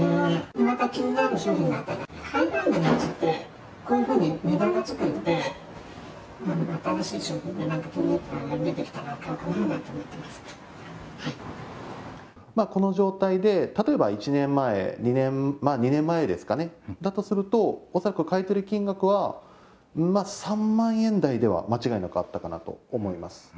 また気になる商品があったら、ハイブランドのやつって、こういうふうに値段がつくので、新しい商品なんか気になるのが出てきたら買おうかななんて思ってこの状態で、例えば１年前、２年前ですかね、だとすると、恐らく買い取り金額は３万円台では間違いなくあったかなと思います。